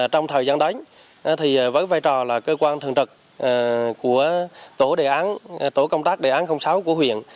trong thời gian đấy với vai trò là cơ quan thường trực của tổ công tác đề án sáu của huyện